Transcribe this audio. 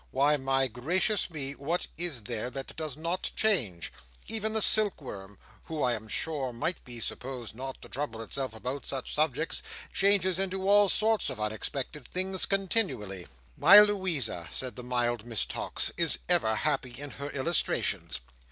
"Why, my gracious me, what is there that does not change! even the silkworm, who I am sure might be supposed not to trouble itself about such subjects, changes into all sorts of unexpected things continually." "My Louisa," said the mild Miss Tox, "is ever happy in her illustrations."